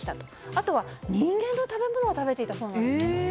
あとは、人間の食べ物を食べていたそうです。